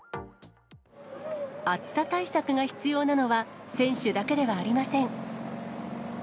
暑さ対策が必要なのは、選手だけではありません。